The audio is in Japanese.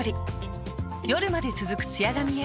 夜まで続くツヤ髪へ。